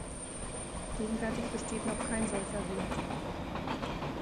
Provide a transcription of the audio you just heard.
Gegenwärtig besteht noch kein solcher Wert.